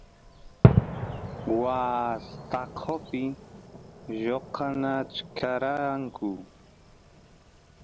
waas taqopi lloqanachkaranku